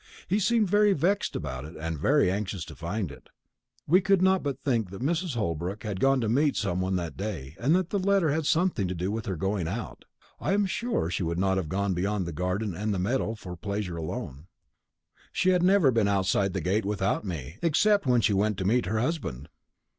He seemed very vexed about it, very anxious to find it. We could not but think that Mrs. Holbrook had gone to meet some one that day, and that the letter had something to do with her going out. I am sure she would not have gone beyond the garden and the meadow for pleasure alone. She never had been outside the gate without me, except when she went to meet her husband."